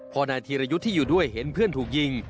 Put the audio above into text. พอนายธีรยุทธ์ที่อยู่ด้วยเห็นเพื่อนถูกยิง